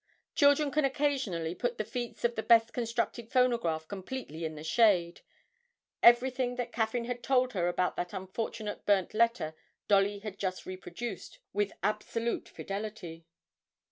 Children can occasionally put the feats of the best constructed phonograph completely in the shade; everything that Caffyn had told her about that unfortunate burnt letter Dolly had just reproduced with absolute fidelity.